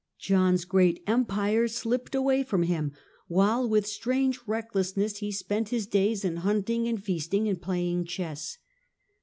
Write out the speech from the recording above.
John's great Empire slipped away from him while with strange recklessness he spent his days in hunting and feasting and playing chess.